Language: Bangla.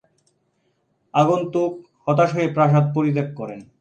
আগন্তুক হতাশ হয়ে প্রাসাদ পরিত্যাগ করেন।